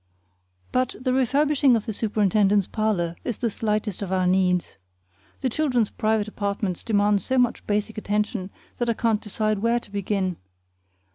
But the refurnishing of the superintendent's parlor is the slightest of our needs. The children's private apartments demand so much basic attention that I can't decide where to begin.